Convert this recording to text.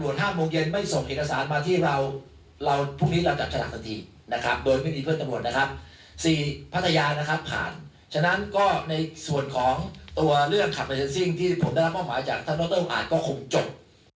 ส่วนของตัวเรื่องคลับลายเซ็นซิ่งที่ผมได้รับมามาจากท่านโน้ตเติ้ลอ่านก็คงจบ